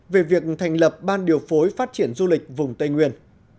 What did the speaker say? về việc thành lập ban điều phối phát triển du lịch vùng tây nguyên